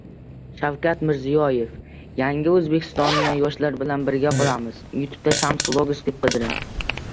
Shavkat Mirziyoyev: «Yangi O‘zbekistonni yoshlar bilan birga quramiz»